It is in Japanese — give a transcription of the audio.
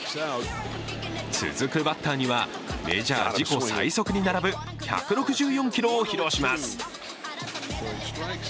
続くバッターにはメジャー自己最速に並ぶ１６４キロを披露します。